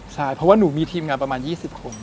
ใช่เพราะว่าหนูมีทีมงานประมาณ๒๐คน